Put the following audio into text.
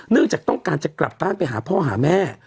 จากต้องการจะกลับบ้านไปหาพ่อหาแม่